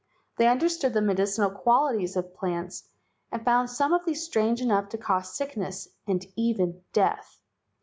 They understood the medicinal qualities of plants and found some of these strong enough to cause sickness and even death.